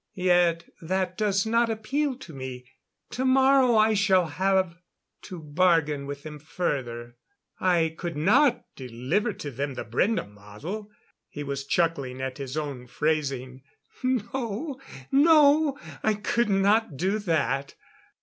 Yet that does not appeal to me. Tomorrow I shall have to bargain with them further. I could not deliver to them the Brende model." He was chuckling at his own phrasing. "No no, I could not do that."